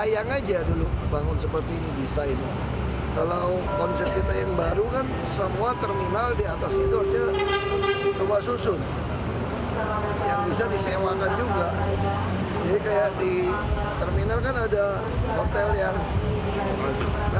yang bisa disewakan juga jadi kayak di terminal kan ada hotel yang beransur